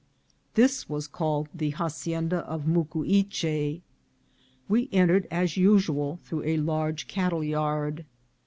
This was called the haci enda of Mucuyche. We entered, as usual, through a large cattle yard.